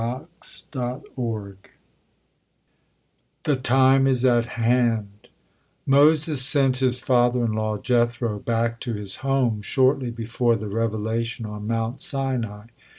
THE TIME IS AT HAND Moses sent his father in law Jethro back to his home, shortly before the revelation on Mount Sinai.